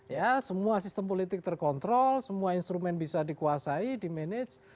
ya semua sistem politik terkontrol semua instrumen bisa dikuasai di manage